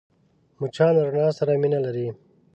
مچان له رڼا سره مینه لري